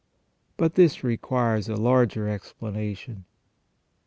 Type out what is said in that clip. But this requires a larger explanation.